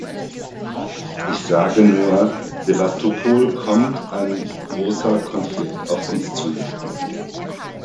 Ich sage nur Sewastopolkommt ein großer Konflikt auf uns zu.